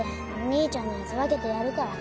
兄ちゃんのやつ分けてやるから。